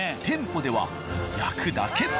店舗では焼くだけ。